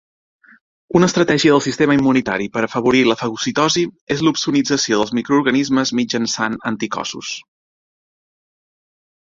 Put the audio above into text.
Una estratègia del sistema immunitari per afavorir la fagocitosi és l'opsonització dels microorganismes mitjançant anticossos.